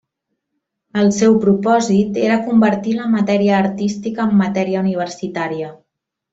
El seu propòsit era convertir la matèria artística en matèria universitària.